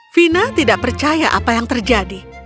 fina tidak percaya apa yang terjadi